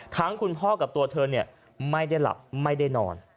คุณพ่อกับตัวเธอไม่ได้หลับไม่ได้นอน